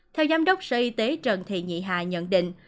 theo giám đốc sở y tế trần thị nhị hà nhận định